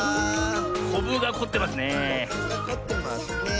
こぶがこってますねえ。